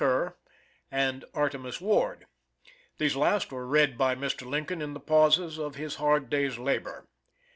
Kerr," and "Artemus Ward." These last were read by Mr. Lincoln in the pauses of his hard day's labor.